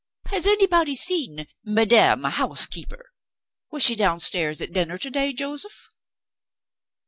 Has anybody seen Madame Housekeeper? Was she downstairs at dinner to day, Joseph?"